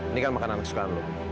ini kan makanan kesukaan lo